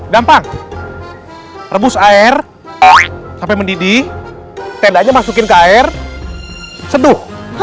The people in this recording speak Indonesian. gampang rebus air sampai mendidih tendanya masukin ke air seduh